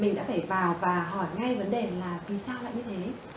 mình đã phải vào và hỏi ngay vấn đề là vì sao lại như thế